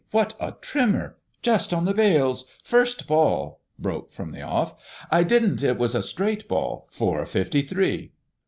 "What a trimmer!" "Just on the bails!" "First ball!" " broke from the off!" "It didn't it was a straight ball." "Four for fifty three."